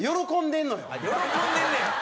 喜んでんねや！